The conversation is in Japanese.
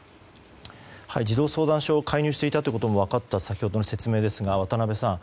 児童相談所が介入していたことも分かった先ほどの説明ですが渡辺さん